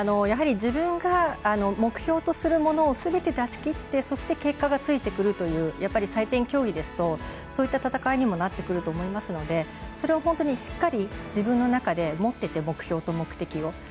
やはり自分が目標とするものをすべて出しきってそして、結果がついてくるという採点競技ですとそういった戦いにもなってくると思いますのでそれを本当にしっかり自分の中で持ってて目標と目的を。